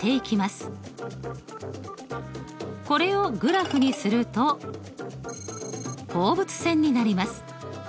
これをグラフにすると放物線になります。